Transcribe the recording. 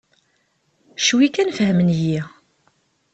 Cwi kan fehmen-iyi.